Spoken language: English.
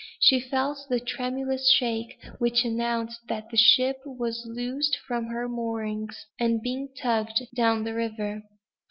She felt the tremulous shake which announced that the ship was loosed from her moorings, and being tugged down the river.